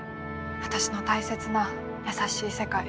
私の大切な優しい世界。